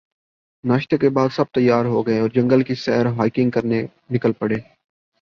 ناشتے کے بعد سب تیار ہو گئے اور جنگل کی سیر ہائیکنگ کرنے نکل پڑے